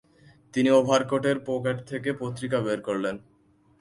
তিনি ওভারকোটের পকেট থেকে পত্রিকা বের করলেন।